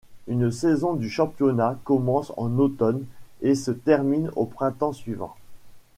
Une saison du championnat commence en automne et se termine au printemps suivant.